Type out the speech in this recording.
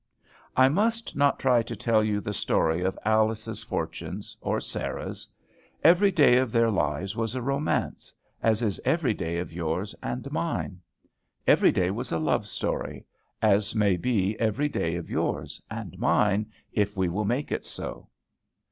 I must not try to tell you the story of Alice's fortunes, or Sarah's. Every day of their lives was a romance, as is every day of yours and mine. Every day was a love story, as may be every day of yours and mine, if we will make it so.